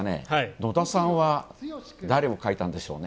野田さんは誰を書いたんでしょうね。